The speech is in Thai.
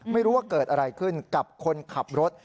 ไม่รู้ว่าเกิดอะไรขึ้นกับคนขับรถ